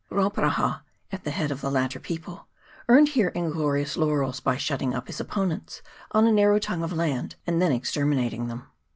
Rauparaha, at the head of the latter people, earned here inglorious laurels by shutting up his opponents on a narrow tongue of land, and then exterminating them.